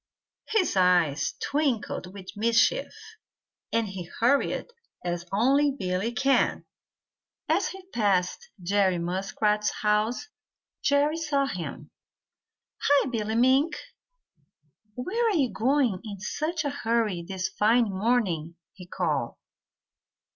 His eyes twinkled with mischief, and he hurried as only Billy can. As he passed Jerry Muskrat's house, Jerry saw him. "Hi, Billy Mink! Where are you going in such a hurry this fine morning?" he called.